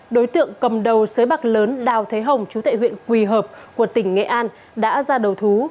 đối tượng cầm đầu sới bạc lớn đào thế hồng chú tệ huyện quỳ hợp của tỉnh nghệ an đã ra đầu thú